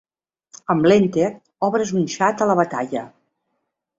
Amb l'enter obres un xat a la batalla.